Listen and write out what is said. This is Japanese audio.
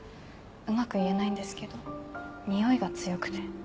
うまく言えないんですけど匂いが強くて。